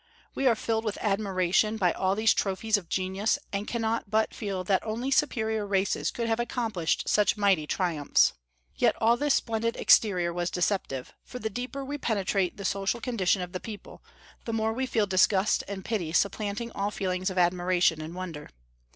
We are filled with admiration by all these trophies of genius, and cannot but feel that only superior races could have accomplished such mighty triumphs. Yet all this splendid exterior was deceptive; for the deeper we penetrate the social condition of the people, the more we feel disgust and pity supplanting all feelings of admiration and wonder.